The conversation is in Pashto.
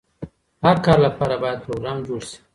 هر کار لپاره باید پروګرام جوړ شي.